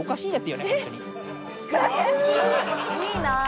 いいな。